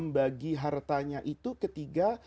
dihartanya itu ketiga